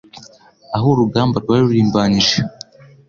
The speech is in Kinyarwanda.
aho urugamba rwari rurimbanyije